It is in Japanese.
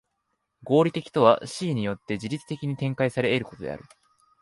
合理的とは思惟によって自律的に展開され得ることである。